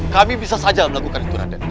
kami bisa saja melakukan itu raden